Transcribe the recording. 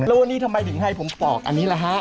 แล้ววันนี้ทำไมถึงให้ผมปอกอันนี้ล่ะฮะ